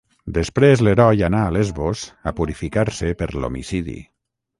Després l'heroi anà a Lesbos a purificar-se per l'homicidi.